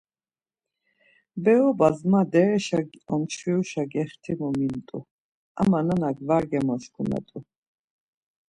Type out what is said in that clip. Berobas ma dereşa omçviruşa gextimu mint̆u ama nanak var gemoşkumet̆u.